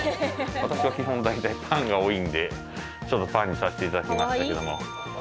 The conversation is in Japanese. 私は基本大体パンが多いんでパンにさせていただきましたけども。